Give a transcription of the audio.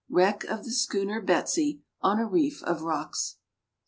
WRECK OF THE SCHOONER BETSEY, ON A REEF OF ROCKS.